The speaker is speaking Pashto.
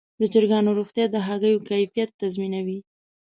د چرګانو روغتیا د هګیو کیفیت تضمینوي.